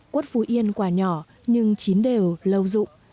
quất phú yên quả nhỏ nhưng chín đều lâu dụng